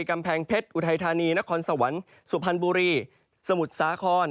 กำแพงเพชรอุทัยธานีนครสวรรค์สุพรรณบุรีสมุทรสาคร